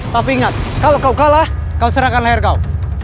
tapi ingat kalau kau kalah kau serangkan layar kau